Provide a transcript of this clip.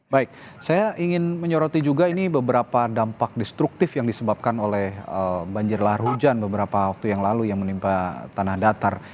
baik saya ingin menyoroti juga ini beberapa dampak destruktif yang disebabkan oleh banjir lahar hujan beberapa waktu yang lalu yang menimpa tanah datar